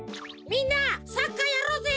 みんなサッカーやろうぜ。